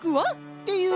っていう